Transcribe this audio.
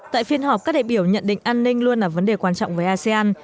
tại phiên họp các đại biểu nhận định an ninh luôn là vấn đề quan trọng với asean